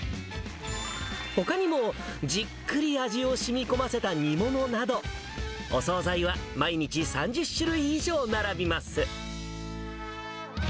ほかにもじっくり味をしみこませた煮物など、お総菜は毎日３０種類以上並びます。